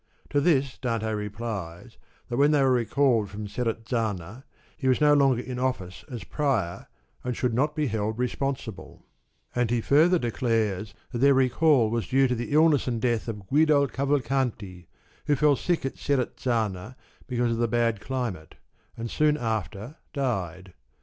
To this Dante replies that when they were recalled from Serez zana, he was no longer in office as Prior, and should not be held responsible; and he further declares that their recall was due to the illness and death of Guido Caval canti, who fell sick at Serezzana because of the bad climate, and soon after died.